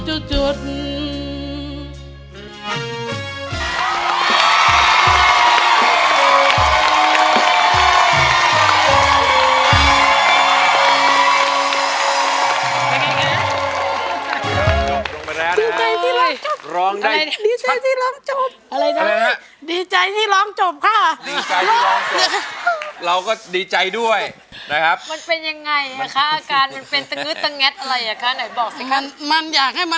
อยากรู้ว่าเธอเหนื่อยไหม